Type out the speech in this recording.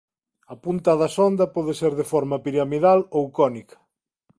A punta da sonda pode ser de forma piramidal ou cónica.